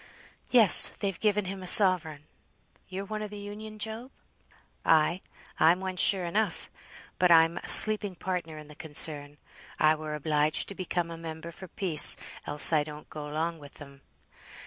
"Yes, they've given him a sovereign. You're one of th' Union, Job?" "Ay! I'm one, sure enough; but I'm but a sleeping partner in the concern. I were obliged to become a member for peace, else I don't go along with 'em.